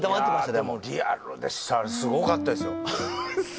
でもリアルでしたすごかったですよ